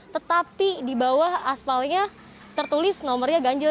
tetapi di bawah aspalnya tertulis nomornya ganjil